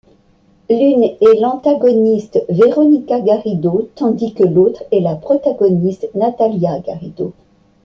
L'une est l'antagoniste Veronica Garrido tandis que l'autre est la protagoniste Natalia Garrido.